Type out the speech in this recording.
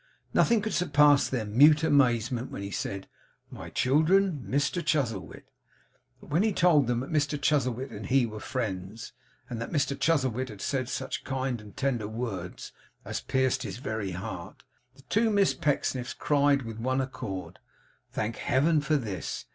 Nothing could surpass their mute amazement when he said, 'My children, Mr Chuzzlewit!' But when he told them that Mr Chuzzlewit and he were friends, and that Mr Chuzzlewit had said such kind and tender words as pierced his very heart, the two Miss Pecksniffs cried with one accord, 'Thank Heaven for this!